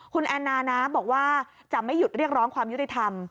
คุณแอนนานะบอกว่าจะไม่หยุดเรียกร้องความยุติธรรม